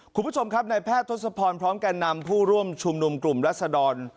คุณผู้ชมครับในแพทย์ทศพรพร้อมแก่นำผู้ร่วมชุมนุมกลุ่มรัศดร